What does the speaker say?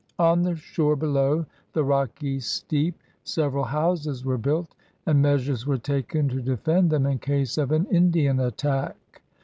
On the shore below the rocky steep several houses were built, and measures were taken to defend them in case of an Indian attack.